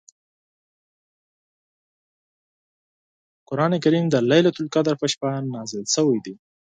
قران کریم د لیلة القدر په شپه نازل شوی دی .